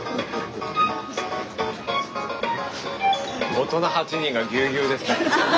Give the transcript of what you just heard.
大人８人がぎゅうぎゅうですから。